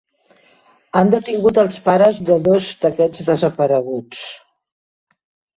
Han detingut els pares de dos d'aquests desapareguts.